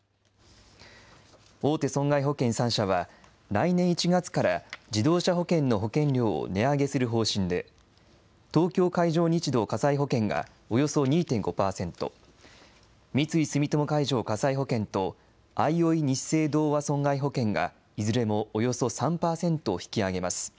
大手損害保険３社は、来年１月から自動車保険の保険料を値上げする方針で、東京海上日動火災保険がおよそ２．５％、三井住友海上火災保険と、あいおいニッセイ同和損害保険がいずれもおよそ３％引き上げます。